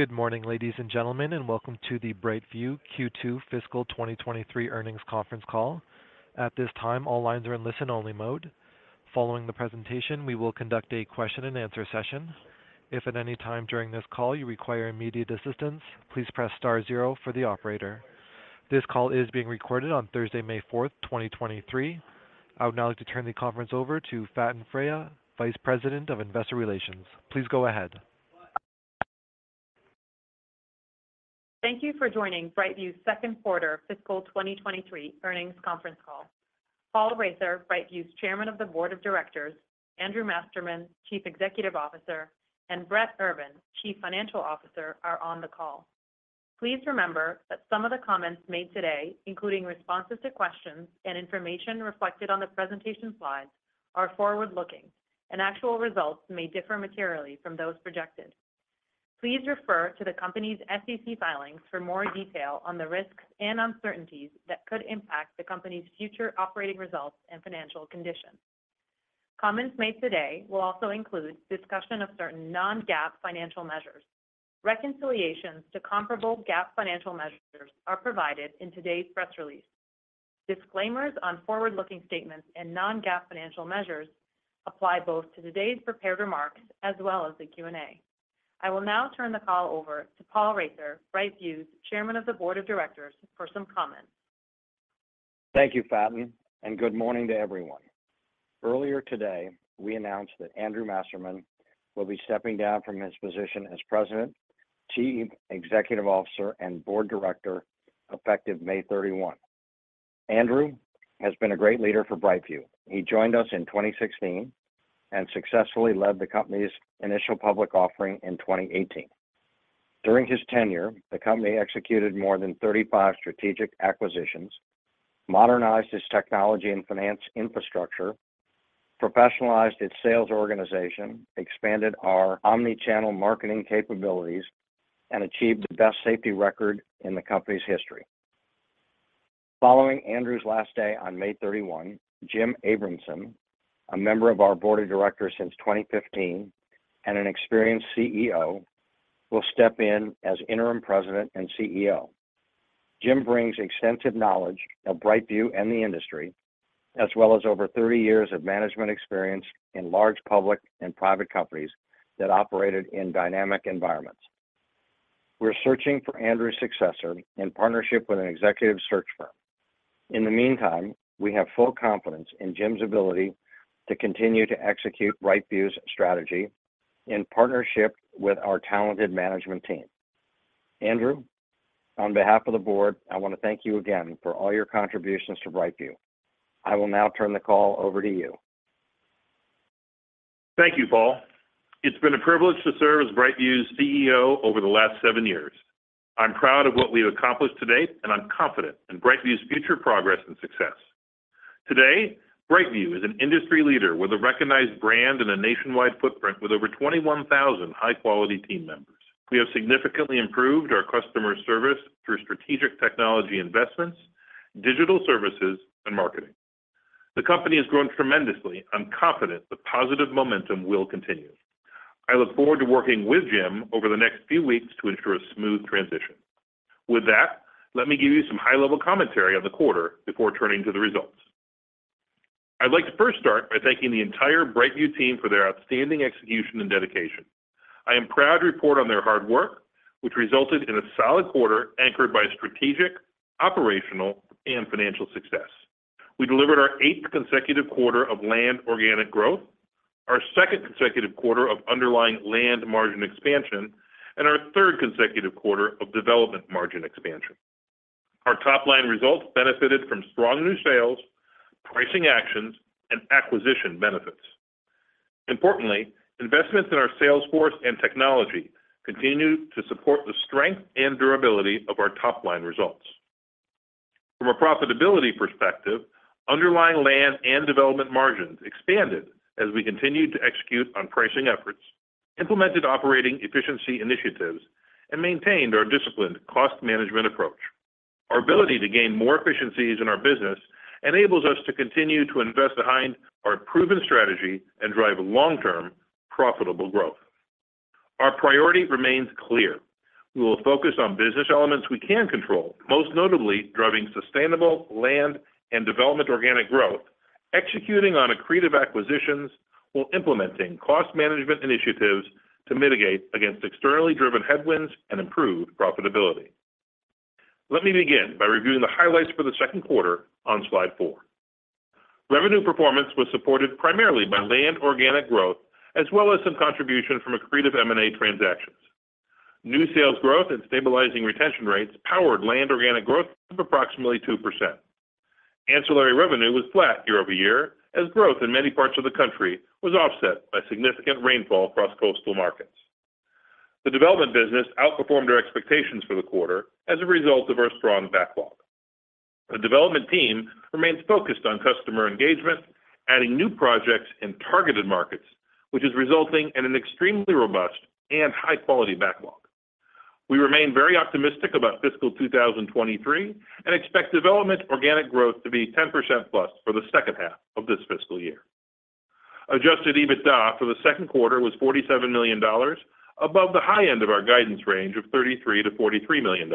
Good morning, ladies and gentlemen, and welcome to the BrightView Q2 Fiscal 2023 Earnings Conference Call. At this time, all lines are in listen-only mode. Following the presentation, we will conduct a question-and-answer session. If at any time during this call you require immediate assistance, please press star 0 for the operator. This call is being recorded on Thursday, May 4, 2023. I would now like to turn the conference over to Faten Freiha, Vice President of Investor Relations. Please go ahead. Thank you for joining BrightView's second quarter fiscal 2023 earnings conference call. Paul Raether, BrightView's Chairman of the Board of Directors, Andrew Masterman, Chief Executive Officer, and Brett Urban, Chief Financial Officer, are on the call. Please remember that some of the comments made today, including responses to questions and information reflected on the presentation slides, are forward-looking, and actual results may differ materially from those projected. Please refer to the company's SEC filings for more detail on the risks and uncertainties that could impact the company's future operating results and financial conditions. Comments made today will also include discussion of certain Non-GAAP financial measures. Reconciliations to comparable GAAP financial measures are provided in today's press release. Disclaimers on forward-looking statements and Non-GAAP financial measures apply both to today's prepared remarks as well as the Q&A. I will now turn the call over to Paul Raether, BrightView's Chairman of the Board of Directors, for some comments. Thank you, Faten. Good morning to everyone. Earlier today, we announced that Andrew Masterman will be stepping down from his position as President, Chief Executive Officer, and Board Director effective May 31. Andrew has been a great leader for BrightView. He joined us in 2016 and successfully led the company's initial public offering in 2018. During his tenure, the company executed more than 35 strategic acquisitions, modernized its technology and finance infrastructure, professionalized its sales organization, expanded our omni-channel marketing capabilities, and achieved the best safety record in the company's history. Following Andrew's last day on May 31, Jim Abrahamson, a member of our board of directors since 2015 and an experienced CEO, will step in as interim President and CEO. Jim brings extensive knowledge of BrightView and the industry, as well as over 30 years of management experience in large public and private companies that operated in dynamic environments. We're searching for Andrew's successor in partnership with an executive search firm. In the meantime, we have full confidence in Jim's ability to continue to execute BrightView's strategy in partnership with our talented management team. Andrew, on behalf of the board, I want to thank you again for all your contributions to BrightView. I will now turn the call over to you. Thank you, Paul. It's been a privilege to serve as BrightView's CEO over the last seven years. I'm proud of what we've accomplished to date, and I'm confident in BrightView's future progress and success. Today, BrightView is an industry leader with a recognized brand and a nationwide footprint with over 21,000 high-quality team members. We have significantly improved our customer service through strategic technology investments, digital services, and marketing. The company has grown tremendously. I'm confident the positive momentum will continue. I look forward to working with Jim over the next few weeks to ensure a smooth transition. With that, let me give you some high-level commentary on the quarter before turning to the results. I'd like to first start by thanking the entire BrightView team for their outstanding execution and dedication. I am proud to report on their hard work, which resulted in a solid quarter anchored by strategic, operational, and financial success. We delivered our eighth consecutive quarter of land organic growth, our second consecutive quarter of underlying land margin expansion, and our third consecutive quarter of development margin expansion. Our top-line results benefited from strong new sales, pricing actions, and acquisition benefits. Importantly, investments in our sales force and technology continue to support the strength and durability of our top-line results. From a profitability perspective, underlying land and development margins expanded as we continued to execute on pricing efforts, implemented operating efficiency initiatives, and maintained our disciplined cost management approach. Our ability to gain more efficiencies in our business enables us to continue to invest behind our proven strategy and drive long-term, profitable growth. Our priority remains clear. We will focus on business elements we can control, most notably driving sustainable Land and Development organic growth, executing on accretive M&A transactions, while implementing cost management initiatives to mitigate against externally driven headwinds and improve profitability. Let me begin by reviewing the highlights for the second quarter on slide 4. Revenue performance was supported primarily by Land organic growth as well as some contribution from accretive M&A transactions. New sales growth and stabilizing retention rates powered Land organic growth of approximately 2%. Ancillary revenue was flat year-over-year as growth in many parts of the country was offset by significant rainfall across coastal markets. The Development business outperformed our expectations for the quarter as a result of our strong backlog. The Development team remains focused on customer engagement, adding new projects in targeted markets, which is resulting in an extremely robust and high-quality backlog. We remain very optimistic about fiscal 2023 and expect development organic growth to be 10%+ for the second half of this fiscal year. Adjusted EBITDA for the second quarter was $47 million, above the high end of our guidance range of $33 million-$43 million,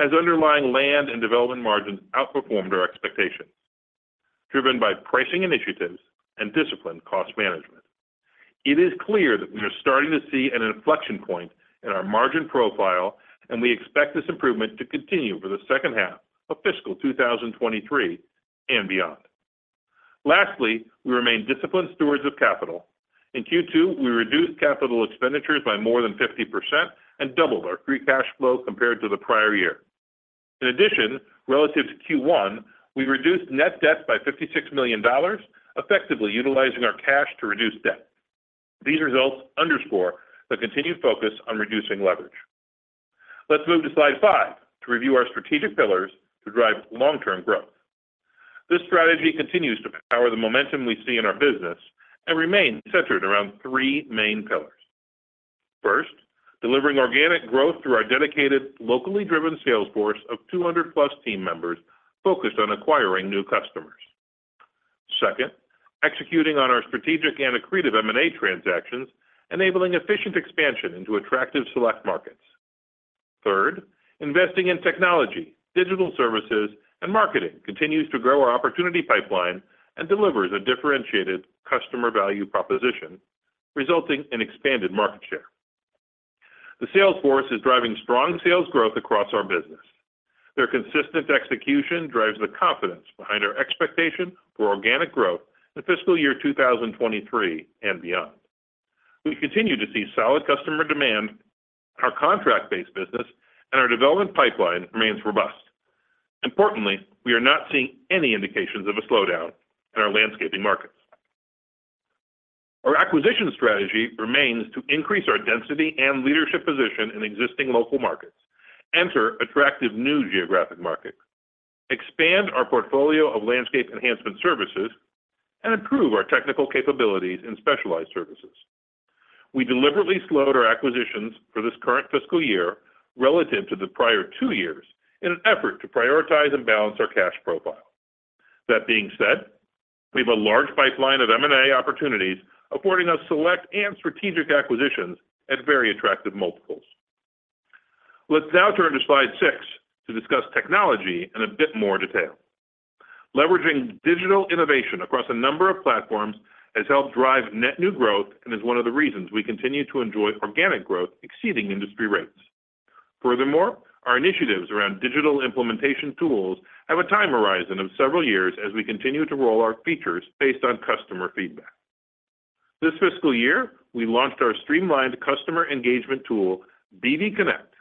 as underlying land and development margins outperformed our expectations, driven by pricing initiatives and disciplined cost management. It is clear that we are starting to see an inflection point in our margin profile, and we expect this improvement to continue for the second half of fiscal 2023 and beyond. Lastly, we remain disciplined stewards of capital. In Q2, we reduced capital expenditures by more than 50% and doubled our free cash flow compared to the prior year. In addition, relative to Q1, we reduced net debt by $56 million, effectively utilizing our cash to reduce debt. These results underscore the continued focus on reducing leverage. Let's move to slide 5 to review our strategic pillars to drive long-term growth. This strategy continues to power the momentum we see in our business and remains centered around three main pillars. First, delivering organic growth through our dedicated, locally driven sales force of 200+ team members focused on acquiring new customers. Second, executing on our strategic and accretive M&A transactions, enabling efficient expansion into attractive select markets. Third, investing in technology, digital services, and marketing continues to grow our opportunity pipeline and delivers a differentiated customer value proposition, resulting in expanded market share. The sales force is driving strong sales growth across our business. Their consistent execution drives the confidence behind our expectation for organic growth in fiscal year 2023 and beyond. We continue to see solid customer demand, our contract-based business, and our development pipeline remains robust. Importantly, we are not seeing any indications of a slowdown in our landscaping markets. Our acquisition strategy remains to increase our density and leadership position in existing local markets, enter attractive new geographic markets, expand our portfolio of landscape enhancement services, and improve our technical capabilities in specialized services. We deliberately slowed our acquisitions for this current fiscal year relative to the prior two years in an effort to prioritize and balance our cash profile. That being said, we have a large pipeline of M&A opportunities affording us select and strategic acquisitions at very attractive multiples. Let's now turn to slide 6 to discuss technology in a bit more detail. Leveraging digital innovation across a number of platforms has helped drive net new growth and is one of the reasons we continue to enjoy organic growth exceeding industry rates. Our initiatives around digital implementation tools have a time horizon of several years as we continue to roll out features based on customer feedback. This fiscal year, we launched our streamlined customer engagement tool, BrightView Connect,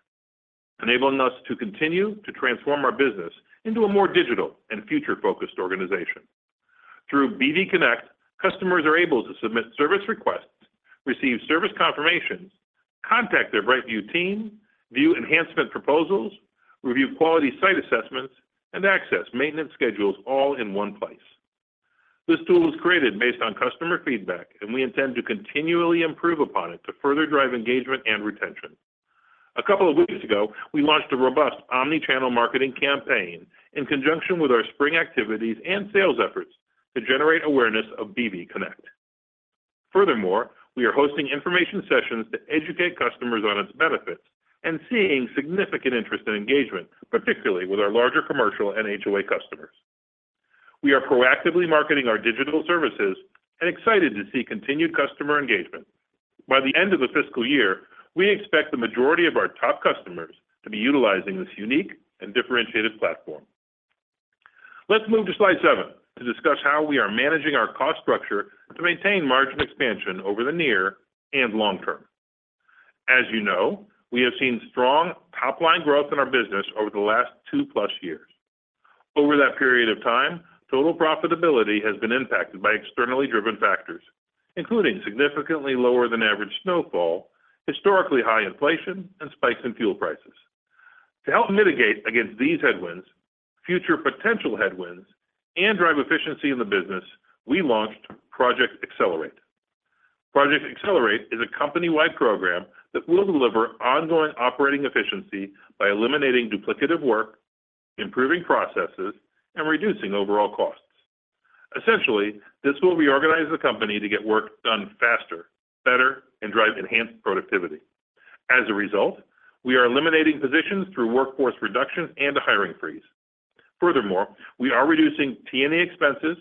enabling us to continue to transform our business into a more digital and future-focused organization. Through BrightView Connect, customers are able to submit service requests, receive service confirmations, contact their BrightView team, view enhancement proposals, review quality site assessments, and access maintenance schedules all in one place. This tool was created based on customer feedback, and we intend to continually improve upon it to further drive engagement and retention. A couple of weeks ago, we launched a robust omni-channel marketing campaign in conjunction with our spring activities and sales efforts to generate awareness of BrightView Connect. Furthermore, we are hosting information sessions to educate customers on its benefits and seeing significant interest and engagement, particularly with our larger commercial and HOA customers. We are proactively marketing our digital services and excited to see continued customer engagement. By the end of the fiscal year, we expect the majority of our top customers to be utilizing this unique and differentiated platform. Let's move to slide seven to discuss how we are managing our cost structure to maintain margin expansion over the near and long term. As you know, we have seen strong top-line growth in our business over the last two-plus years. Over that period of time, total profitability has been impacted by externally driven factors, including significantly lower than average snowfall, historically high inflation, and spikes in fuel prices. To help mitigate against these headwinds, future potential headwinds, and drive efficiency in the business, we launched Project Accelerate. Project Accelerate is a company-wide program that will deliver ongoing operating efficiency by eliminating duplicative work, improving processes, and reducing overall costs. Essentially, this will reorganize the company to get work done faster, better, and drive enhanced productivity. As a result, we are eliminating positions through workforce reduction and a hiring freeze. Furthermore, we are reducing T&E expenses,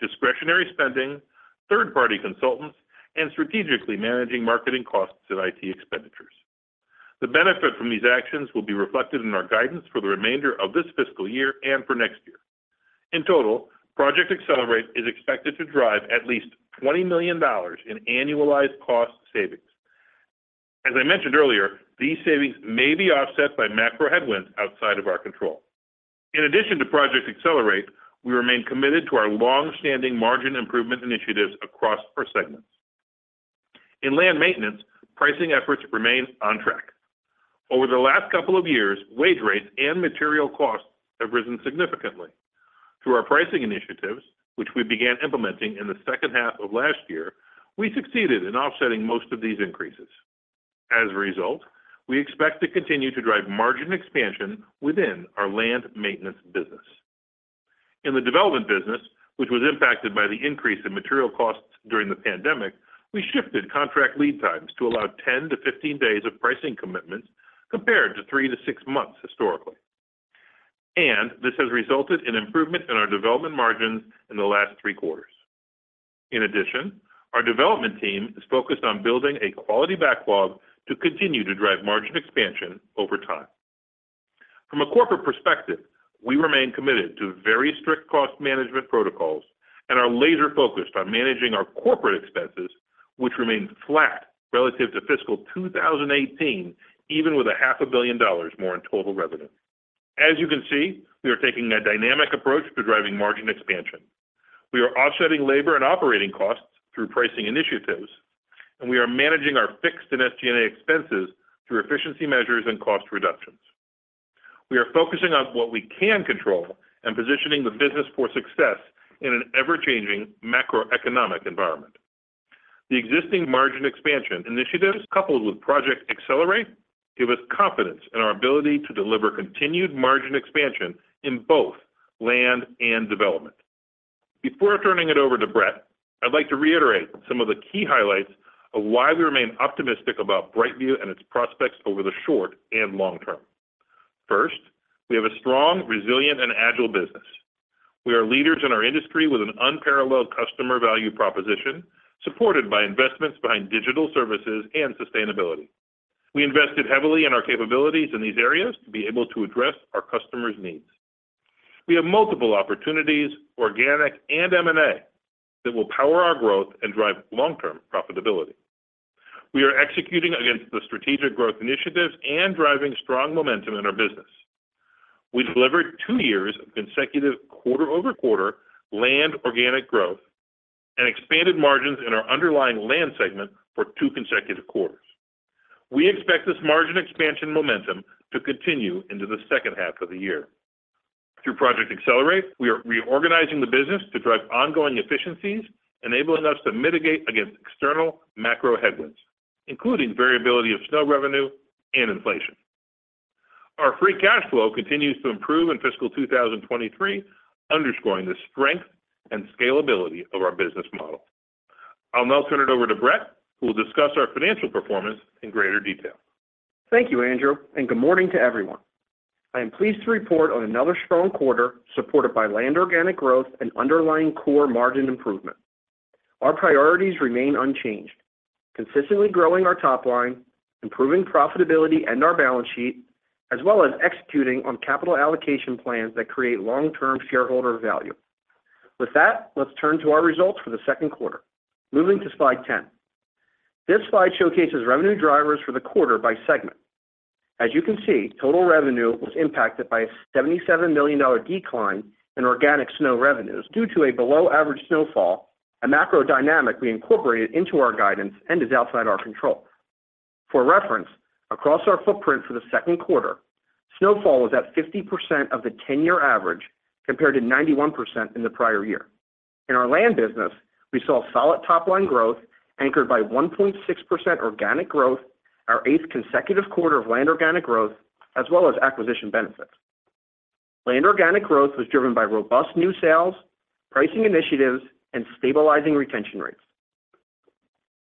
discretionary spending, third-party consultants, and strategically managing marketing costs and IT expenditures. The benefit from these actions will be reflected in our guidance for the remainder of this fiscal year and for next year. In total, Project Accelerate is expected to drive at least $20 million in annualized cost savings. As I mentioned earlier, these savings may be offset by macro headwinds outside of our control. In addition to Project Accelerate, we remain committed to our long-standing margin improvement initiatives across our segments. In land maintenance, pricing efforts remain on track. Over the last couple of years, wage rates and material costs have risen significantly. Through our pricing initiatives, which we began implementing in the second half of last year, we succeeded in offsetting most of these increases. As a result, we expect to continue to drive margin expansion within our land maintenance business. In the development business, which was impacted by the increase in material costs during the pandemic, we shifted contract lead times to allow 10-15 days of pricing commitments compared to 3-6 months historically. This has resulted in improvement in our development margins in the last three quarters. In addition, our development team is focused on building a quality backlog to continue to drive margin expansion over time. From a corporate perspective, we remain committed to very strict cost management protocols and are laser-focused on managing our corporate expenses, which remain flat relative to fiscal 2018, even with a half a billion dollars more in total revenue. As you can see, we are taking a dynamic approach to driving margin expansion. We are offsetting labor and operating costs through pricing initiatives, and we are managing our fixed and SG&A expenses through efficiency measures and cost reductions. We are focusing on what we can control and positioning the business for success in an ever-changing macroeconomic environment. The existing margin expansion initiatives, coupled with Project Accelerate, give us confidence in our ability to deliver continued margin expansion in both land and development. Before turning it over to Brett, I'd like to reiterate some of the key highlights of why we remain optimistic about BrightView and its prospects over the short and long term. First, we have a strong, resilient, and agile business. We are leaders in our industry with an unparalleled customer value proposition supported by investments behind digital services and sustainability. We invested heavily in our capabilities in these areas to be able to address our customers' needs. We have multiple opportunities, organic and M&A, that will power our growth and drive long-term profitability. We are executing against the strategic growth initiatives and driving strong momentum in our business. We delivered two years of consecutive quarter-over-quarter land organic growth and expanded margins in our underlying land segment for two consecutive quarters. We expect this margin expansion momentum to continue into the second half of the year. Through Project Accelerate, we are reorganizing the business to drive ongoing efficiencies, enabling us to mitigate against external macro headwinds, including variability of snow revenue and inflation. Our free cash flow continues to improve in fiscal 2023, underscoring the strength and scalability of our business model. I'll now turn it over to Brett, who will discuss our financial performance in greater detail. Thank you, Andrew, good morning to everyone. I am pleased to report on another strong quarter supported by land organic growth and underlying core margin improvement. Our priorities remain unchanged: consistently growing our top line, improving profitability and our balance sheet, as well as executing on capital allocation plans that create long-term shareholder value. With that, let's turn to our results for the second quarter. Moving to slide 10. This slide showcases revenue drivers for the quarter by segment. As you can see, total revenue was impacted by a $77 million decline in organic snow revenues due to a below-average snowfall, a macro dynamic we incorporated into our guidance and is outside our control. For reference, across our footprint for the second quarter, snowfall was at 50% of the 10-year average compared to 91% in the prior year. In our land business, we saw solid top line growth anchored by 1.6% organic growth, our eighth consecutive quarter of land organic growth, as well as acquisition benefits. Land organic growth was driven by robust new sales, pricing initiatives, and stabilizing retention rates.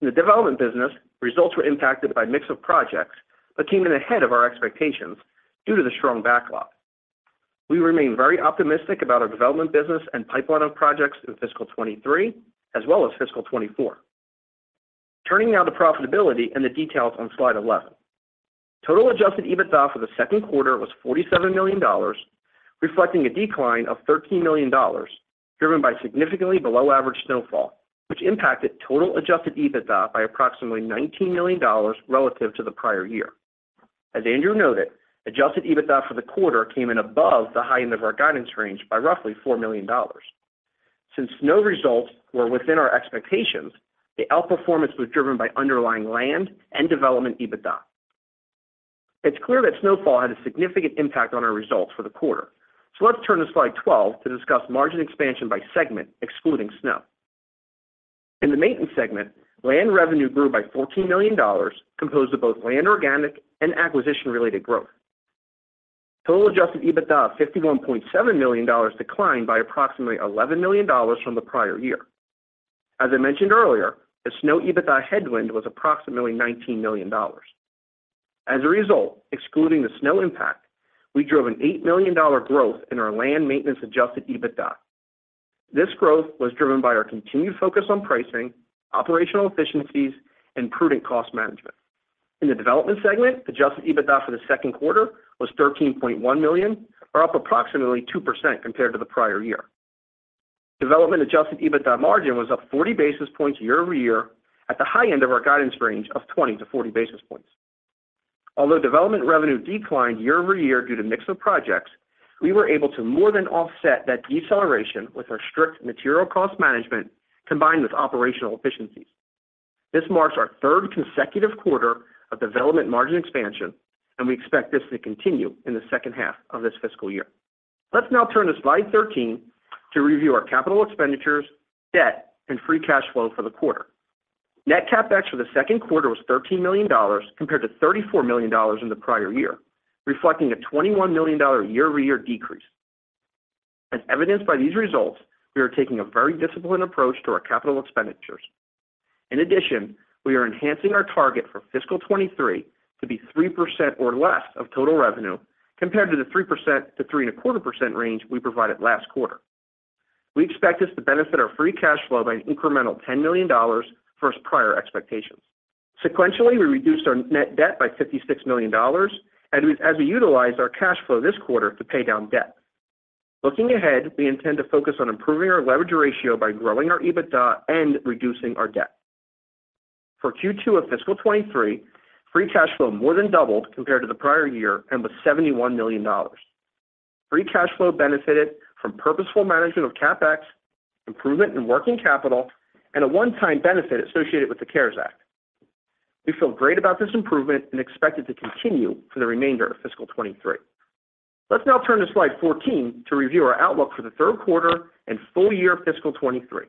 In the development business, results were impacted by mix of projects, but came in ahead of our expectations due to the strong backlog. We remain very optimistic about our development business and pipeline of projects in fiscal 2023 as well as fiscal 2024. Turning now to profitability and the details on slide 11. Total adjusted EBITDA for the second quarter was $47 million, reflecting a decline of $13 million driven by significantly below average snowfall, which impacted total adjusted EBITDA by approximately $19 million relative to the prior year. As Andrew noted, adjusted EBITDA for the quarter came in above the high end of our guidance range by roughly $4 million. Snow results were within our expectations, the outperformance was driven by underlying land and development EBITDA. It's clear that snowfall had a significant impact on our results for the quarter. Let's turn to slide 12 to discuss margin expansion by segment excluding snow. In the maintenance segment, land revenue grew by $14 million, composed of both land organic and acquisition-related growth. Total adjusted EBITDA of $51.7 million declined by approximately $11 million from the prior year. As I mentioned earlier, the snow EBITDA headwind was approximately $19 million. Excluding the snow impact, we drove an $8 million growth in our land maintenance adjusted EBITDA. This growth was driven by our continued focus on pricing, operational efficiencies, and prudent cost management. In the development segment, adjusted EBITDA for the second quarter was $13.1 million, or up approximately 2% compared to the prior year. Development adjusted EBITDA margin was up 40 basis points year-over-year at the high end of our guidance range of 20-40 basis points. Development revenue declined year-over-year due to mix of projects, we were able to more than offset that deceleration with our strict material cost management combined with operational efficiencies. This marks our third consecutive quarter of development margin expansion, we expect this to continue in the second half of this fiscal year. Let's now turn to slide 13 to review our capital expenditures, debt, and free cash flow for the quarter. Net CapEx for the second quarter was $13 million compared to $34 million in the prior year, reflecting a $21 million year-over-year decrease. As evidenced by these results, we are taking a very disciplined approach to our capital expenditures. In addition, we are enhancing our target for fiscal 2023 to be 3% or less of total revenue, compared to the 3%-3.25% range we provided last quarter. We expect this to benefit our free cash flow by an incremental $10 million versus prior expectations. Sequentially, we reduced our net debt by $56 million as we utilized our cash flow this quarter to pay down debt. Looking ahead, we intend to focus on improving our leverage ratio by growing our EBITDA and reducing our debt. For Q2 of fiscal 2023, free cash flow more than doubled compared to the prior year and was $71 million. Free cash flow benefited from purposeful management of CapEx, improvement in working capital, and a one-time benefit associated with the CARES Act. We feel great about this improvement and expect it to continue for the remainder of fiscal 2023. Let's now turn to slide 14 to review our outlook for the third quarter and full year fiscal 2023.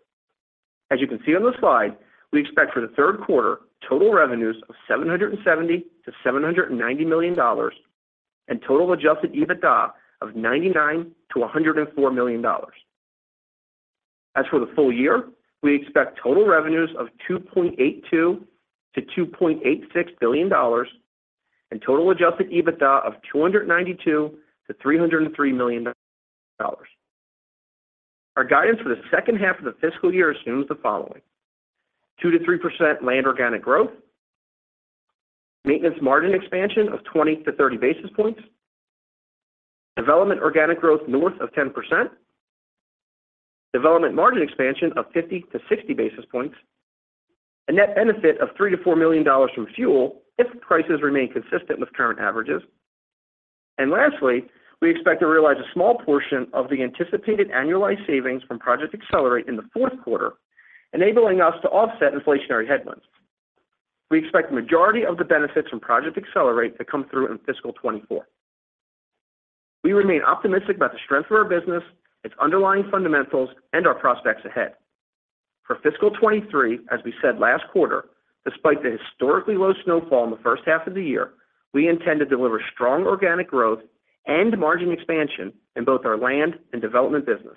As you can see on the slide, we expect for the third quarter total revenues of $770 million-$790 million and total adjusted EBITDA of $99 million-$104 million. As for the full year, we expect total revenues of $2.82 billion-$2.86 billion and total adjusted EBITDA of $292 million-$303 million. Our guidance for the second half of the fiscal year assumes the following: 2%-3% land organic growth, maintenance margin expansion of 20-30 basis points, development organic growth north of 10%, development margin expansion of 50-60 basis points, a net benefit of $3 million-$4 million from fuel if prices remain consistent with current averages. Lastly, we expect to realize a small portion of the anticipated annualized savings from Project Accelerate in the fourth quarter, enabling us to offset inflationary headwinds. We expect the majority of the benefits from Project Accelerate to come through in fiscal 2024. We remain optimistic about the strength of our business, its underlying fundamentals, and our prospects ahead. For fiscal 2023, as we said last quarter, despite the historically low snowfall in the first half of the year, we intend to deliver strong organic growth and margin expansion in both our land and development business.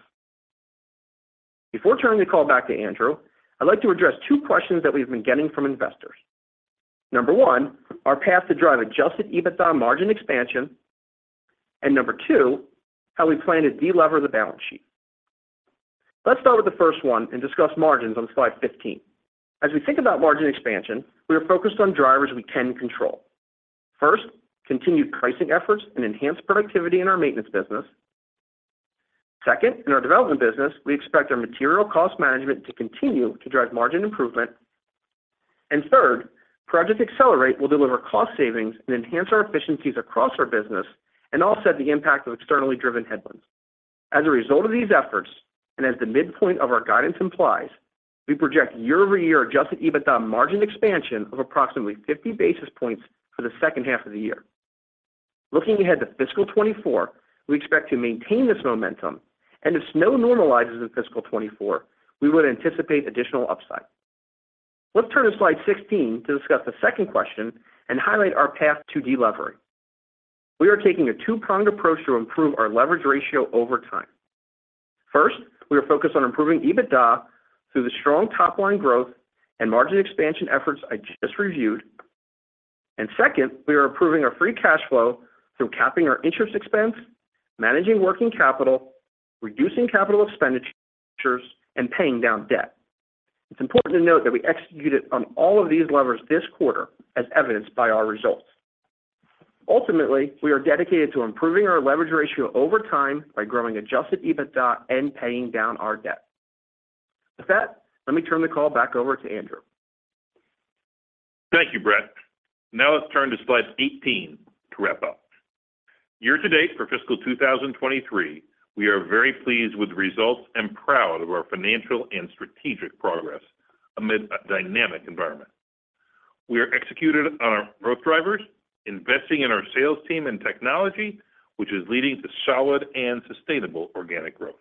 Before turning the call back to Andrew, I'd like to address two questions that we've been getting from investors. Number one, our path to drive adjusted EBITDA margin expansion. Number two, how we plan to de-lever the balance sheet. Let's start with the first 1 and discuss margins on slide 15. As we think about margin expansion, we are focused on drivers we can control. First, continued pricing efforts and enhanced productivity in our maintenance business. Second, in our development business, we expect our material cost management to continue to drive margin improvement. Third, Project Accelerate will deliver cost savings and enhance our efficiencies across our business and offset the impact of externally driven headwinds. As a result of these efforts, and as the midpoint of our guidance implies, we project year-over-year adjusted EBITDA margin expansion of approximately 50 basis points for the second half of the year. Looking ahead to fiscal 2024, we expect to maintain this momentum, and if snow normalizes in fiscal 2024, we would anticipate additional upside. Let's turn to slide 16 to discuss the second question and highlight our path to de-levering. We are taking a two-pronged approach to improve our leverage ratio over time. First, we are focused on improving EBITDA through the strong top-line growth and margin expansion efforts I just reviewed. Second, we are improving our free cash flow through capping our interest expense, managing working capital, reducing capital expenditures, and paying down debt. It's important to note that we executed on all of these levers this quarter, as evidenced by our results. Ultimately, we are dedicated to improving our leverage ratio over time by growing adjusted EBITDA and paying down our debt. With that, let me turn the call back over to Andrew. Thank you, Brett. Now let's turn to slide 18 to wrap up. Year to date for fiscal 2023, we are very pleased with the results and proud of our financial and strategic progress amid a dynamic environment. We are executed on our growth drivers, investing in our sales team and technology, which is leading to solid and sustainable organic growth.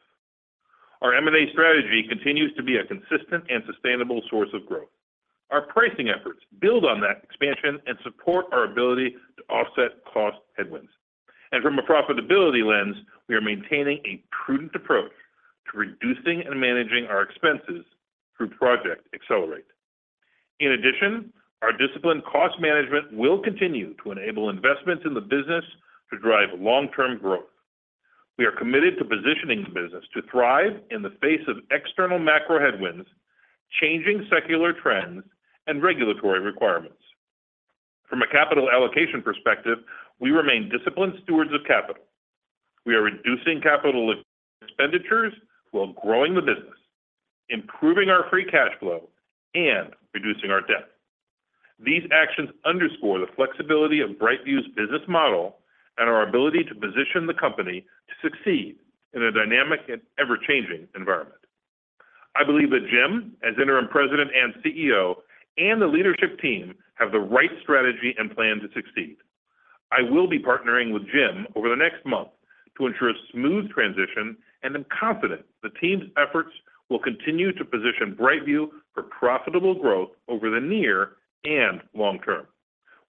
Our M&A strategy continues to be a consistent and sustainable source of growth. Our pricing efforts build on that expansion and support our ability to offset cost headwinds. From a profitability lens, we are maintaining a prudent approach to reducing and managing our expenses through Project Accelerate. In addition, our disciplined cost management will continue to enable investments in the business to drive long-term growth. We are committed to positioning the business to thrive in the face of external macro headwinds, changing secular trends, and regulatory requirements. From a capital allocation perspective, we remain disciplined stewards of capital. We are reducing capital expenditures while growing the business, improving our free cash flow, and reducing our debt. These actions underscore the flexibility of BrightView's business model and our ability to position the company to succeed in a dynamic and ever-changing environment. I believe that Jim, as interim President and CEO, and the leadership team have the right strategy and plan to succeed. I will be partnering with Jim over the next month to ensure a smooth transition, and I'm confident the team's efforts will continue to position BrightView for profitable growth over the near and long term.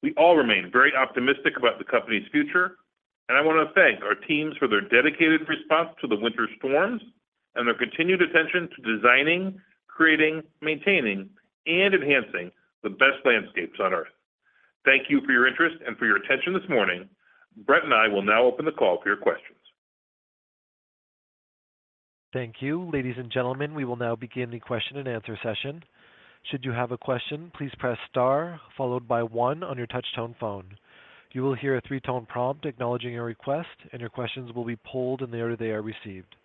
We all remain very optimistic about the company's future, and I want to thank our teams for their dedicated response to the winter storms and their continued attention to designing, creating, maintaining, and enhancing the best landscapes on Earth. Thank you for your interest and for your attention this morning. Brett and I will now open the call for your questions. Thank you. Ladies and gentlemen, we will now begin the question and answer session. Should you have a question, please press star followed by one on your touch tone phone. You will hear a three-tone prompt acknowledging your request, and your questions will be polled in the order they are received.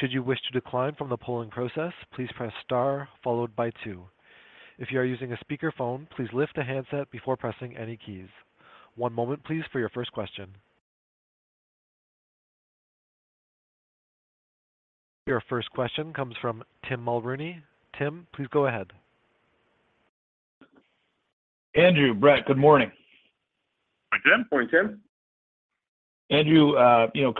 Should you wish to decline from the polling process, please press star followed by two. If you are using a speaker phone, please lift the handset before pressing any keys. One moment please for your first question. Your first question comes from Tim Mulrooney. Tim, please go ahead. Andrew, Brett, good morning. Morning, Tim. Andrew, you know,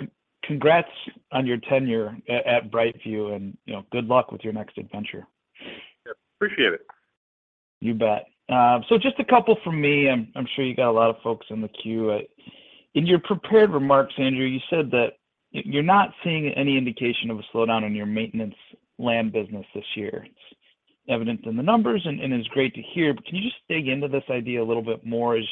congrats on your tenure at BrightView and, you know, good luck with your next adventure. Yep, appreciate it. You bet. Just a couple from me. I'm sure you got a lot of folks in the queue. In your prepared remarks, Andrew, you said that you're not seeing any indication of a slowdown in your maintenance land business this year. It's evident in the numbers and it's great to hear. Can you just dig into this idea a little bit more? As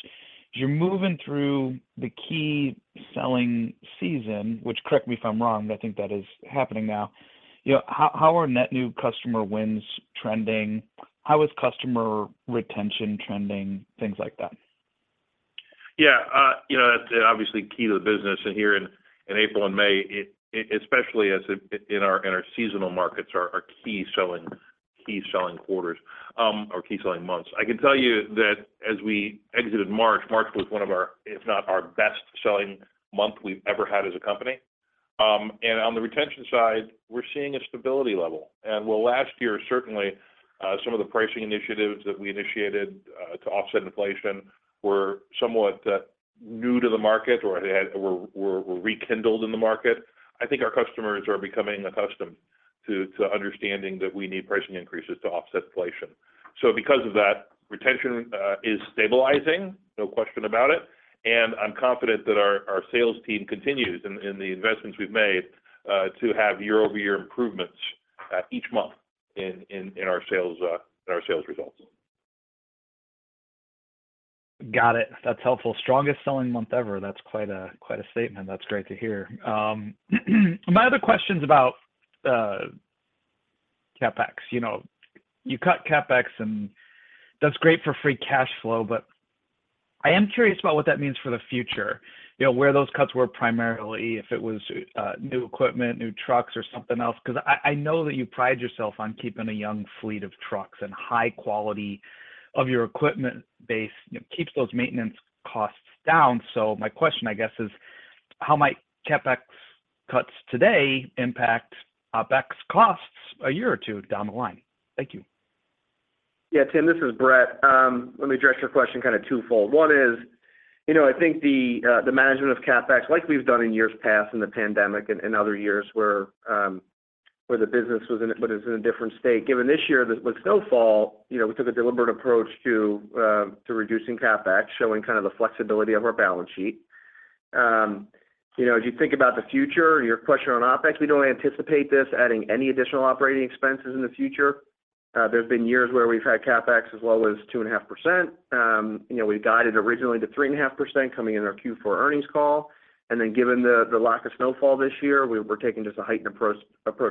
you're moving through the key selling season, which correct me if I'm wrong, but I think that is happening now, you know, how are net new customer wins trending? How is customer retention trending, things like that? Yeah. You know, that's obviously key to the business. Here in April and May, especially as in our seasonal markets are key selling quarters or key selling months. I can tell you that as we exited March was one of our, if not our best selling month we've ever had as a company. On the retention side, we're seeing a stability level. While last year, certainly, some of the pricing initiatives that we initiated to offset inflation were somewhat new to the market or were rekindled in the market. I think our customers are becoming accustomed to understanding that we need pricing increases to offset inflation. Because of that, retention is stabilizing, no question about it. I'm confident that our sales team continues in the investments we've made to have year-over-year improvements each month in our sales, in our sales results. Got it. That's helpful. Strongest selling month ever. That's quite a, quite a statement. That's great to hear. My other question's about CapEx. You know, you cut CapEx, and that's great for free cash flow, but I am curious about what that means for the future. You know, where those cuts were primarily, if it was new equipment, new trucks or something else. 'Cause I know that you pride yourself on keeping a young fleet of trucks and high quality of your equipment base, you know, keeps those maintenance costs down. My question, I guess, is how might CapEx cuts today impact OpEx costs a year or two down the line? Thank you. Yeah. Tim, this is Brett. Let me address your question kind of twofold. One is, you know, I think the management of CapEx, like we've done in years past in the pandemic and other years where the business was in a different state. Given this year with snowfall, you know, we took a deliberate approach to reducing CapEx, showing kind of the flexibility of our balance sheet. You know, as you think about the future, your question on OpEx, we don't anticipate this adding any additional operating expenses in the future. There's been years where we've had CapEx as low as 2.5%. You know, we guided originally to 3.5% coming into our Q4 earnings call, and then given the lack of snowfall this year, we're taking just a heightened approach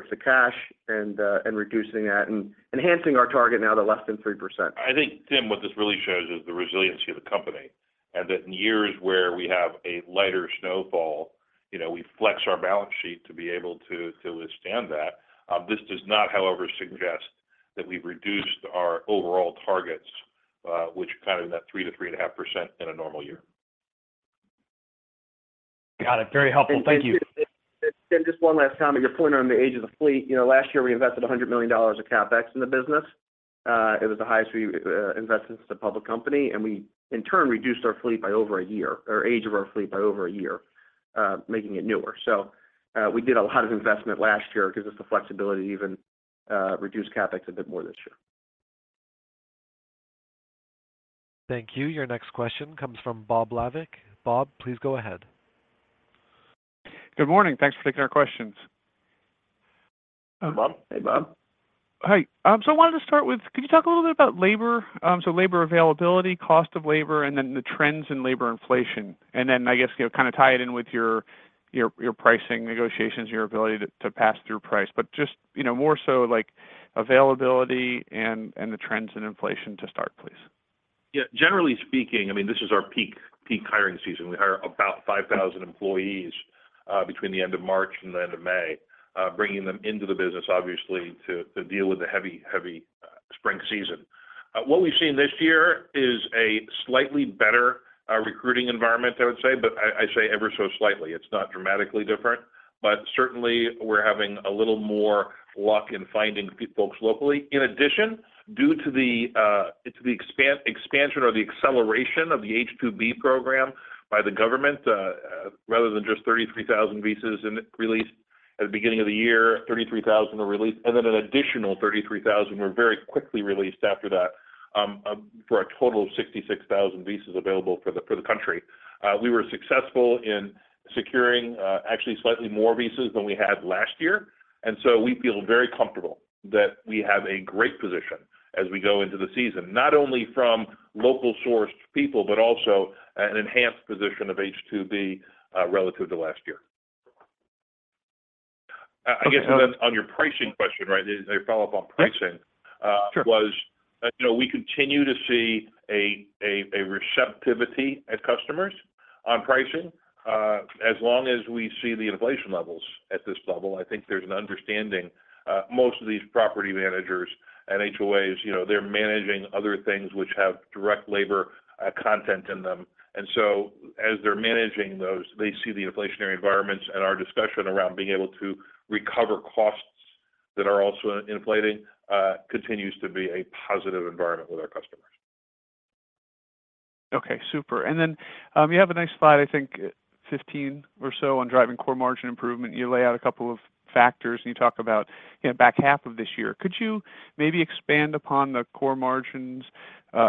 to cash and reducing that and enhancing our target now to less than 3%. I think, Tim, what this really shows is the resiliency of the company, and that in years where we have a lighter snowfall, you know, we flex our balance sheet to be able to withstand that. This does not, however, suggest that we've reduced our overall targets, which are kind of in that 3%-3.5% in a normal year. Got it. Very helpful. Thank you. Tim, just one last comment. Your point around the age of the fleet, you know, last year we invested $100 million of CapEx in the business. It was the highest we invested as a public company, and we in turn reduced our fleet by over a year or age of our fleet by over a year, making it newer. We did a lot of investment last year that gives us the flexibility to even reduce CapEx a bit more this year. Thank you. Your next question comes from Bob Labick. Bob, please go ahead. Good morning. Thanks for taking our questions. Hi, Bob. Hey, Bob. Hi. I wanted to start with, could you talk a little bit about labor? Labor availability, cost of labor, and then the trends in labor inflation. I guess, you know, kind of tie it in with your pricing negotiations, your ability to pass through price. Just, you know, more so like availability and the trends in inflation to start, please. Yeah. Generally speaking, I mean, this is our peak hiring season. We hire about 5,000 employees between the end of March and the end of May, bringing them into the business obviously to deal with the heavy-Spring season. What we've seen this year is a slightly better recruiting environment, I would say, but I say ever so slightly. It's not dramatically different. Certainly, we're having a little more luck in finding folks locally. In addition, due to the expansion or the acceleration of the H-2B program by the government, rather than just 33,000 visas released at the beginning of the year, 33,000 were released, and then an additional 33,000 were very quickly released after that, for a total of 66,000 visas available for the country. We were successful in securing, actually slightly more visas than we had last year. So we feel very comfortable that we have a great position as we go into the season. Not only from local sourced people, but also an enhanced position of H-2B, relative to last year. I guess on your pricing question, right, the follow-up on pricing. Yep. Sure You know, we continue to see a receptivity as customers on pricing. As long as we see the inflation levels at this level, I think there's an understanding. Most of these property managers and HOAs, you know, they're managing other things which have direct labor content in them. As they're managing those, they see the inflationary environments and our discussion around being able to recover costs that are also inflating, continues to be a positive environment with our customers. Okay, super. You have a nice slide, I think, 15 or so on driving core margin improvement. You lay out a couple of factors, and you talk about in the back half of this year. Could you maybe expand upon the core margins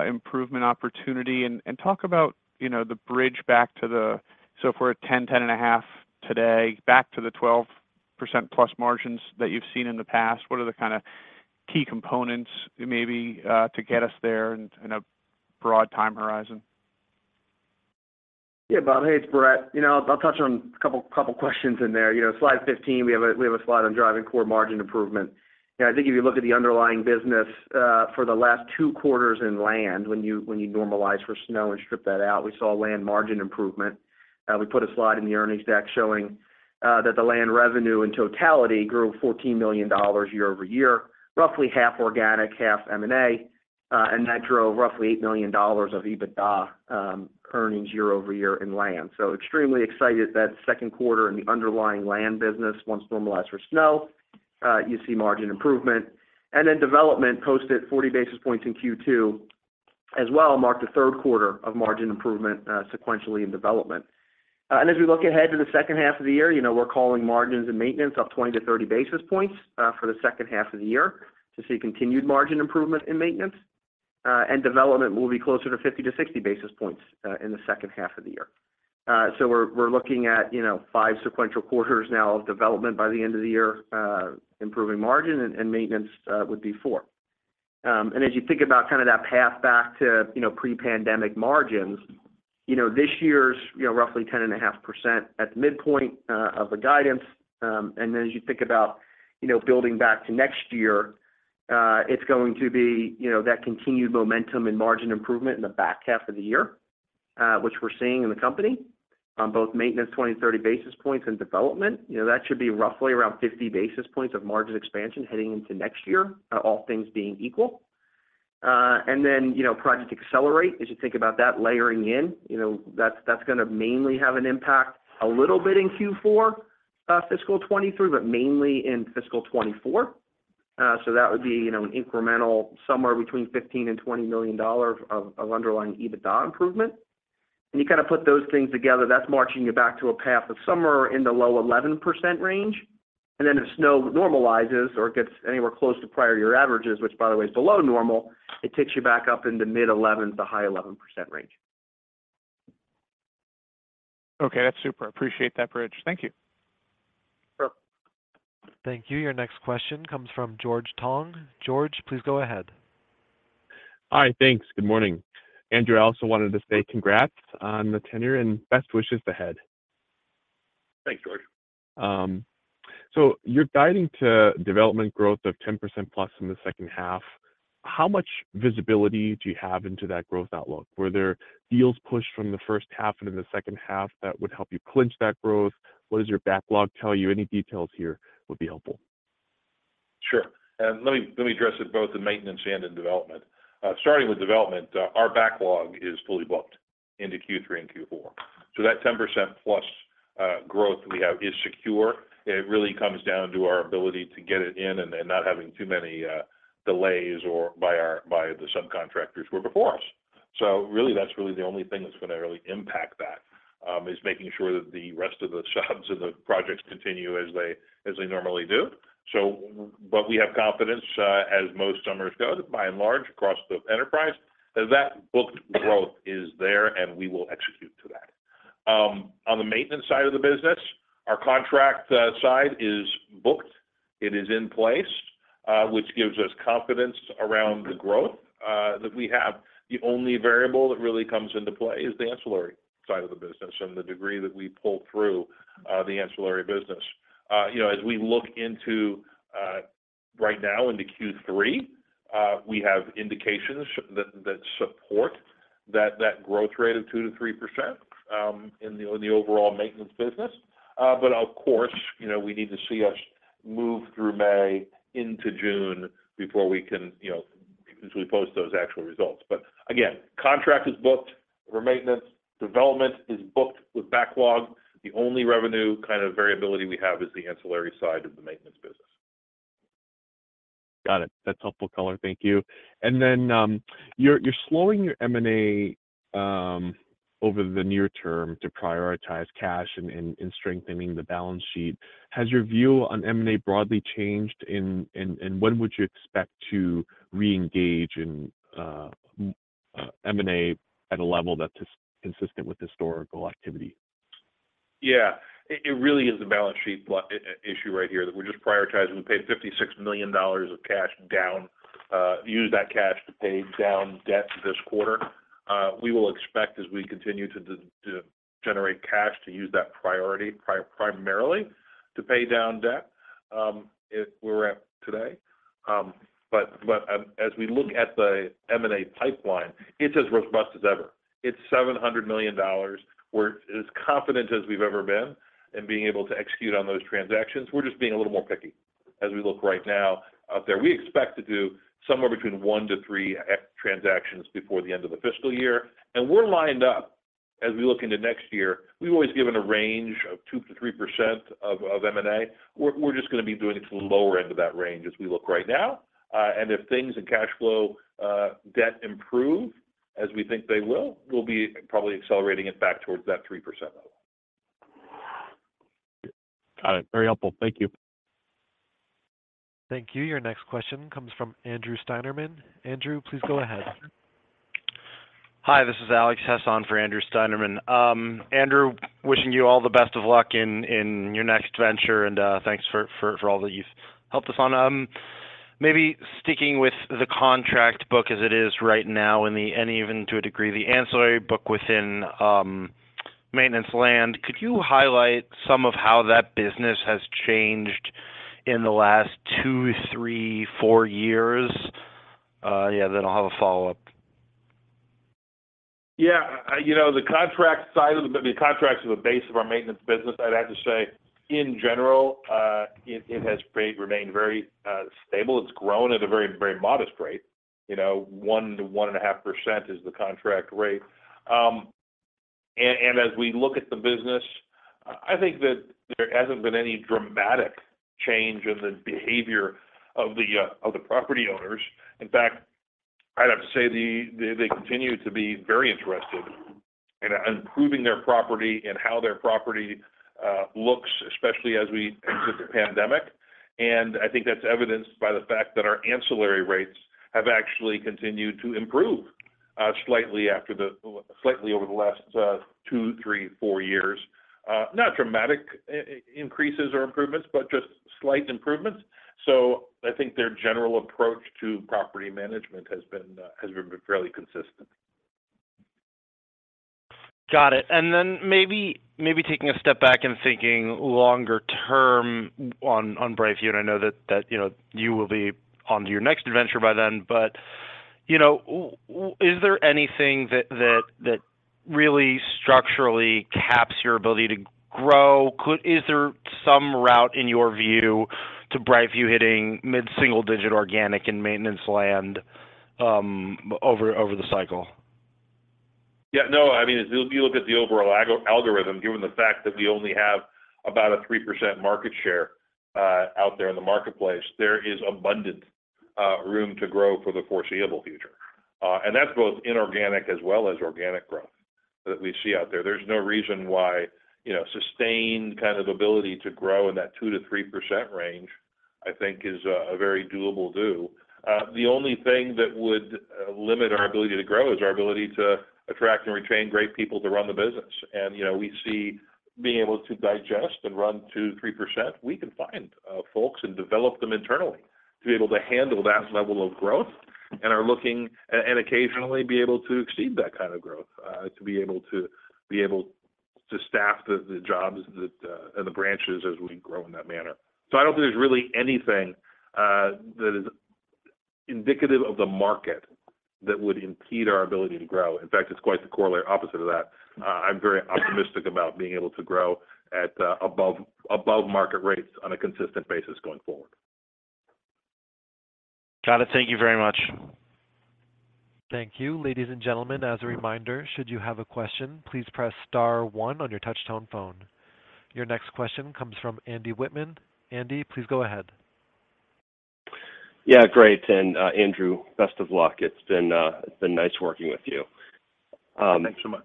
improvement opportunity and talk about, you know, the bridge back to the If we're at 10%, 10.5% today, back to the 12%+ margins that you've seen in the past. What are the kinda key components maybe to get us there in a broad time horizon? Yeah, Bob. Hey, it's Brett. You know, I'll touch on a couple questions in there. You know, slide 15, we have a slide on driving core margin improvement. You know, I think if you look at the underlying business for the last 2 quarters in land, when you normalize for snow and strip that out, we saw land margin improvement. We put a slide in the earnings deck showing that the land revenue in totality grew $14 million year-over-year, roughly half organic, half M&A, and that drove roughly $8 million of EBITDA earnings year-over-year in land. Extremely excited that 2nd quarter in the underlying land business, once normalized for snow, you see margin improvement. development posted 40 basis points in Q2 as well, marked the 3rd quarter of margin improvement sequentially in development. As we look ahead to the 2nd half of the year, you know, we're calling margins and maintenance up 20-30 basis points for the 2nd half of the year to see continued margin improvement in maintenance. development will be closer to 50-60 basis points in the 2nd half of the year. So we're looking at, you know, 5 sequential quarters now of development by the end of the year, improving margin and maintenance would be 4. As you think about kinda that path back to, you know, pre-pandemic margins, you know, this year's, you know, roughly 10.5% at the midpoint of the guidance. Then as you think about, you know, building back to next year, it's going to be, you know, that continued momentum and margin improvement in the back half of the year, which we're seeing in the company on both maintenance, 20 and 30 basis points, and development. You know, that should be roughly around 50 basis points of margin expansion heading into next year, all things being equal. Then, you know, Project Accelerate, as you think about that layering in, you know, that's gonna mainly have an impact a little bit in Q4, fiscal 2023, but mainly in fiscal 2024. That would be, you know, an incremental somewhere between $15 million and $20 million of underlying EBITDA improvement. You kind of put those things together, that's marching you back to a path of somewhere in the low 11% range. Then if snow normalizes or it gets anywhere close to prior year averages, which by the way is below normal, it takes you back up into mid-11% to high 11% range. Okay, that's super. Appreciate that, Brett. Thank you. Sure. Thank you. Your next question comes from George Tong. George, please go ahead. Hi. Thanks. Good morning. Andrew, I also wanted to say congrats on the tenure and best wishes ahead. Thanks, George. you're guiding to development growth of 10%+ in the second half. How much visibility do you have into that growth outlook? Were there deals pushed from the first half into the second half that would help you clinch that growth? What does your backlog tell you? Any details here would be helpful. Sure. Let me address it both in maintenance and in development. Starting with development, our backlog is fully booked into Q3 and Q4. That 10% plus growth we have is secure. It really comes down to our ability to get it in and then not having too many delays or by the subcontractors who are before us. Really, that's really the only thing that's gonna really impact that, is making sure that the rest of the jobs and the projects continue as they normally do. But we have confidence, as most summers go, that by and large, across the enterprise, that that booked growth is there, and we will execute to that. On the maintenance side of the business, our contract side is booked. It is in place, which gives us confidence around the growth that we have. The only variable that really comes into play is the ancillary side of the business and the degree that we pull through the ancillary business. You know, as we look into right now into Q3, we have indications that support that growth rate of 2%-3% in the overall maintenance business. Of course, you know, we need to see us move through May into June before we can, you know, before we post those actual results. Again, contract is booked for maintenance, development is booked with backlog. The only revenue kind of variability we have is the ancillary side of the maintenance business. Got it. That's helpful color. Thank you. You're slowing your M&A over the near term to prioritize cash and strengthening the balance sheet. Has your view on M&A broadly changed and when would you expect to reengage in M&A at a level that's consistent with historical activity? Yeah. It really is a balance sheet issue right here that we're just prioritizing. We paid $56 million of cash down, used that cash to pay down debt this quarter. We will expect as we continue to generate cash to use that priority primarily to pay down debt, if we're at today. As we look at the M&A pipeline, it's as robust as ever. It's $700 million. We're as confident as we've ever been in being able to execute on those transactions. We're just being a little more picky as we look right now out there. We expect to do somewhere between one to three transactions before the end of the fiscal year, and we're lined up as we look into next year. We've always given a range of 2%-3% of M&A. We're just going to be doing it to the lower end of that range as we look right now. If things in cash flow debt improve as we think they will, we'll be probably accelerating it back towards that 3% level. Got it. Very helpful. Thank you. Thank you. Your next question comes from Andrew Steinerman. Andrew, please go ahead. Hi, this is Alex Hasson for Andrew Steinerman. Andrew, wishing you all the best of luck in your next venture, and thanks for all that you've helped us on. Maybe sticking with the contract book as it is right now and even to a degree, the ancillary book within maintenance land, could you highlight some of how that business has changed in the last two, three, four years? Yeah. I'll have a follow-up. Yeah, you know, the contract side of the contracts are the base of our maintenance business. I'd have to say, in general, it has remained very stable. It's grown at a very, very modest rate. You know, 1%-1.5% is the contract rate. As we look at the business, I think that there hasn't been any dramatic change in the behavior of the property owners. In fact, I'd have to say, they continue to be very interested in improving their property and how their property looks, especially as we exit the pandemic. I think that's evidenced by the fact that our ancillary rates have actually continued to improve slightly after the slightly over the last two, three, four years. Not dramatic increases or improvements, but just slight improvements. I think their general approach to property management has been fairly consistent. Got it. Maybe taking a step back and thinking longer term on BrightView, and I know that, you know, you will be onto your next adventure by then, but, you know, is there anything that really structurally caps your ability to grow? Is there some route, in your view, to BrightView hitting mid-single digit organic and maintenance land, over the cycle? Yeah, no. I mean, if you look at the overall algorithm, given the fact that we only have about a 3% market share out there in the marketplace, there is abundant room to grow for the foreseeable future. That's both inorganic as well as organic growth that we see out there. There's no reason why, you know, sustained kind of ability to grow in that 2%-3% range, I think is a very doable. The only thing that would limit our ability to grow is our ability to attract and retain great people to run the business. You know, we see being able to digest and run 2%-3%, we can find folks and develop them internally to be able to handle that level of growth and are looking... Occasionally be able to exceed that kind of growth, to be able to staff the jobs that and the branches as we grow in that manner. I don't think there's really anything that is indicative of the market that would impede our ability to grow. In fact, it's quite the opposite of that. I'm very optimistic about being able to grow at above market rates on a consistent basis going forward. Got it. Thank you very much. Thank you. Ladies and gentlemen, as a reminder, should you have a question, please press star one on your touch-tone phone. Your next question comes from Andrew Wittmann. Andy, please go ahead. Yeah, great. Andrew, best of luck. It's been nice working with you. Thanks so much.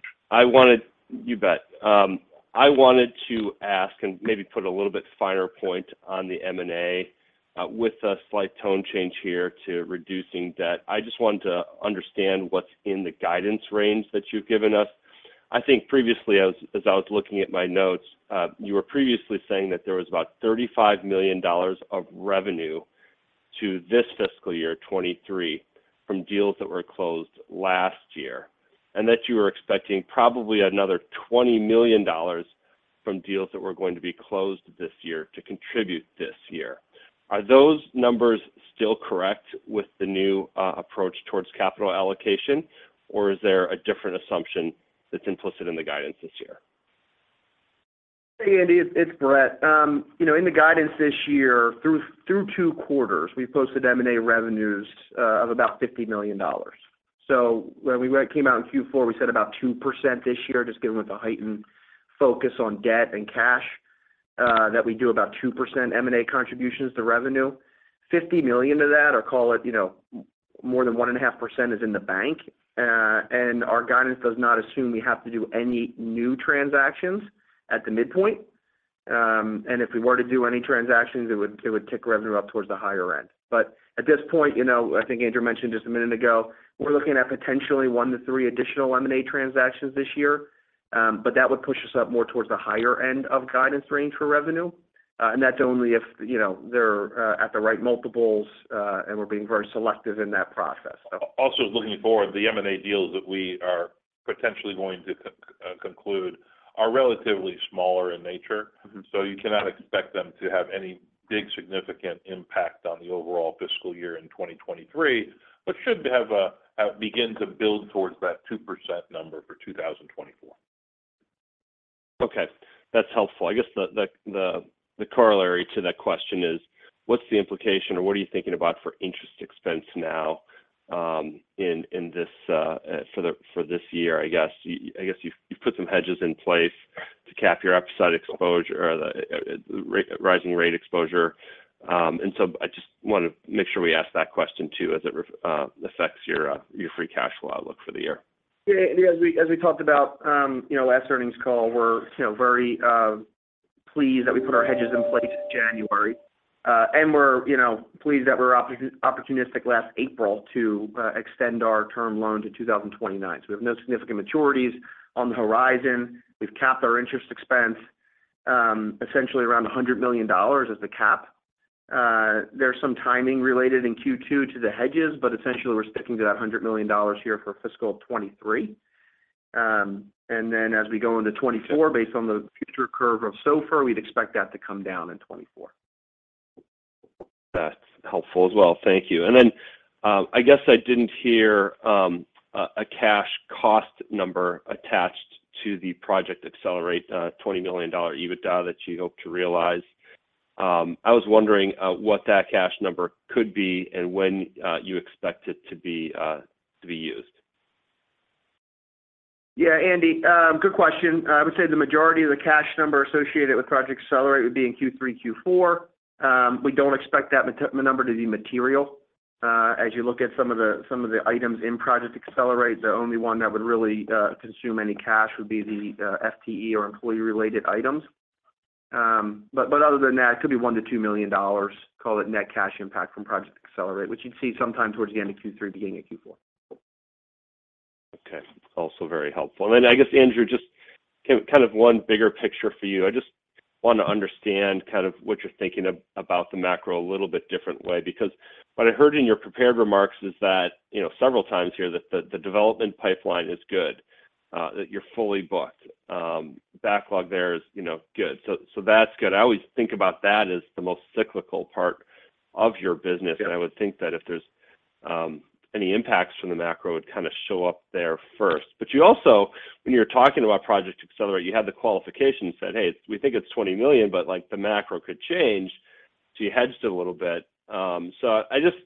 You bet. I wanted to ask and maybe put a little bit finer point on the M&A, with a slight tone change here to reducing debt. I just wanted to understand what's in the guidance range that you've given us. I think previously, as I was looking at my notes, you were previously saying that there was about $35 million of revenue to this fiscal year 2023, from deals that were closed last year, and that you were expecting probably another $20 million From deals that were going to be closed this year to contribute this year. Are those numbers still correct with the new approach towards capital allocation? Or is there a different assumption that's implicit in the guidance this year? Hey, Andy, it's Brett. You know, in the guidance this year, through two quarters, we've posted M&A revenues of about $50 million. When it came out in Q4, we said about 2% this year, just given with the heightened focus on debt and cash, that we do about 2% M&A contributions to revenue. $50 million of that, or call it, you know, more than 1.5% is in the bank. Our guidance does not assume we have to do any new transactions at the midpoint. If we were to do any transactions, it would tick revenue up towards the higher end. At this point, you know, I think Andrew mentioned just a minute ago, we're looking at potentially one to three additional M&A transactions this year. That would push us up more towards the higher end of guidance range for revenue. That's only if, you know, they're at the right multiples, and we're being very selective in that process. Looking forward, the M&A deals that we are potentially going to conclude are relatively smaller in nature you cannot expect them to have any big significant impact on the overall fiscal year in 2023, but should begin to build towards that 2% number for 2024. Okay, that's helpful. I guess the corollary to that question is what's the implication or what are you thinking about for interest expense now, in this for this year, I guess? I guess you've put some hedges in place to cap your upside exposure or the rising rate exposure. I just wanna make sure we ask that question too, as it affects your free cash flow outlook for the year. Yeah. As we, as we talked about, you know, last earnings call, we're, you know, very pleased that we put our hedges in place in January. We're, you know, pleased that we're opportunistic last April to extend our term loan to 2029. We have no significant maturities on the horizon. We've capped our interest expense, essentially around $100 million as the cap. There's some timing related in Q2 to the hedges, but essentially we're sticking to that $100 million here for fiscal 2023. Then as we go into 2024, based on the future curve of SOFR, we'd expect that to come down in 2024. That's helpful as well. Thank you. I guess I didn't hear a cash cost number attached to the Project Accelerate $20 million EBITDA that you hope to realize. I was wondering what that cash number could be and when you expect it to be to be used? Yeah, Andy, good question. I would say the majority of the cash number associated with Project Accelerate would be in Q3, Q4. We don't expect that number to be material. As you look at some of the, some of the items in Project Accelerate, the only one that would really consume any cash would be the FTE or employee-related items. But other than that, it could be $1 million-$2 million, call it net cash impact from Project Accelerate, which you'd see sometime towards the end of Q3, beginning of Q4. Okay. Also very helpful. Then I guess, Andrew, just kind of one bigger picture for you. I just wanna understand kind of what you're thinking about the macro a little bit different way, because what I heard in your prepared remarks is that, you know, several times here that the development pipeline is good, that you're fully booked. Backlog there is, you know, good. That's good. I always think about that as the most cyclical part of your business. Yeah. I would think that if there's any impacts from the macro, it kind of show up there first. You also, when you're talking about Project Accelerate, you had the qualification and said, "Hey, we think it's $20 million, but, like, the macro could change." So you hedged a little bit. I just,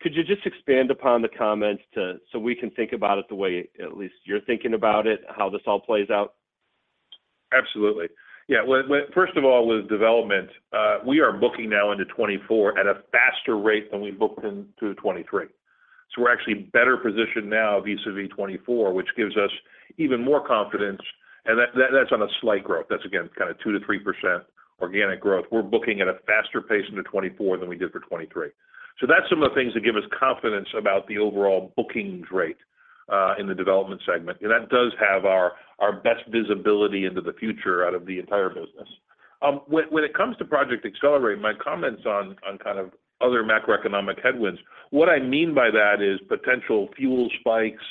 could you just expand upon the comments so we can think about it the way at least you're thinking about it, how this all plays out? Absolutely. Yeah. Well, first of all, with development, we are booking now into 2024 at a faster rate than we booked in to 2023. We're actually better positioned now vis-à-vis 2024, which gives us even more confidence. That's on a slight growth. That's again, kind of 2%-3% organic growth. We're booking at a faster pace into 2024 than we did for 2023. That's some of the things that give us confidence about the overall bookings rate in the development segment. That does have our best visibility into the future out of the entire business. When it comes to Project Accelerate, my comments on kind of other macroeconomic headwinds, what I mean by that is potential fuel spikes,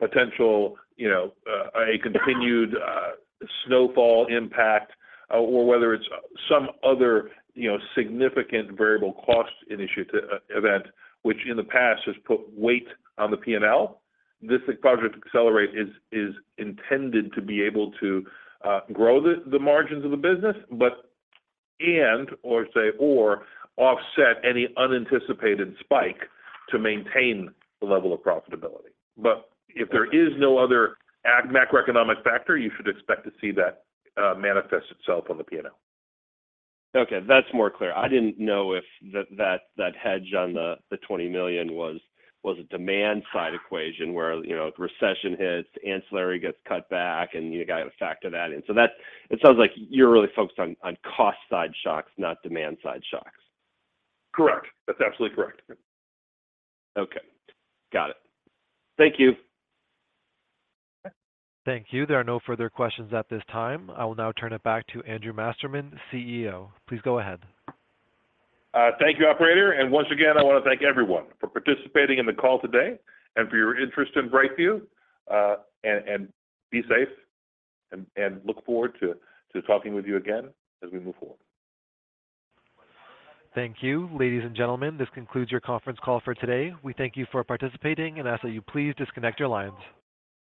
potential, you know, a continued snowfall impact, or whether it's some other, you know, significant variable cost initiative, event, which in the past has put weight on the P&L. This Project Accelerate is intended to be able to grow the margins of the business, and or say or offset any unanticipated spike to maintain the level of profitability. If there is no other macroeconomic factor, you should expect to see that manifest itself on the P&L. Okay, that's more clear. I didn't know if that hedge on the $20 million was a demand side equation where, you know, recession hits, ancillary gets cut back and you got to factor that in. It sounds like you're really focused on cost side shocks, not demand side shocks. Correct. That's absolutely correct. Okay. Got it. Thank you. Thank you. There are no further questions at this time. I will now turn it back to Andrew Masterman, CEO. Please go ahead. Thank you, operator. Once again, I wanna thank everyone for participating in the call today and for your interest in BrightView. And be safe and look forward to talking with you again as we move forward. Thank you. Ladies and gentlemen, this concludes your conference call for today. We thank you for participating and ask that you please disconnect your lines.